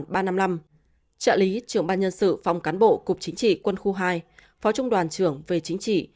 trợ lý trưởng ban nhân sự phòng cán bộ cục chính trị quân khu hai phó trung đoàn trưởng về chính trị